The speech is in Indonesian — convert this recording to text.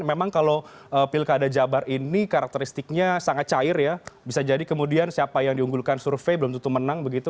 memang kalau pilkada jabar ini karakteristiknya sangat cair ya bisa jadi kemudian siapa yang diunggulkan survei belum tentu menang begitu